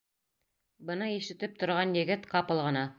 Быны ишетеп торған егет ҡапыл ғына: